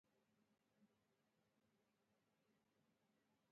طبیعت یې خود بخوده باله،